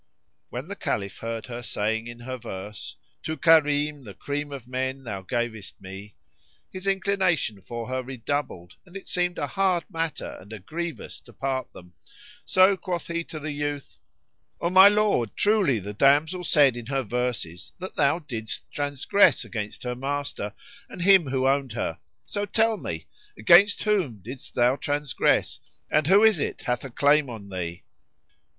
'" When the Caliph heard her saying in her verse, "To Karim, the cream of men thou gavest me;" his inclination for her redoubled and it seemed a hard matter and a grievous to part them; so quoth he to the youth, "O my lord, truly the damsel said in her verses that thou didst transgress against her master and him who owned her; so tell me, against whom didst thou transgress and who is it hath a claim on thee?"